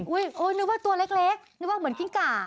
นึกว่าตัวเล็กนึกว่าเหมือนกิ้งก่า